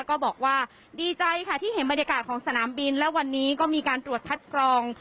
ก็บอกว่าดีใจค่ะที่เห็นบรรยากาศของสนามบินและวันนี้ก็มีการตรวจคัดกรอง